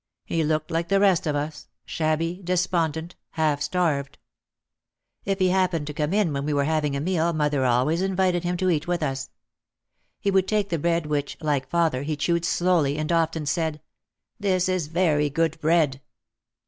He looked like the rest of us, shabby, despond ent, half starved. If he happened to come in when we were having a meal mother always invited him to eat with us. He would take the bread which, like father, he chewed slowly, and often said, "This is very good bread."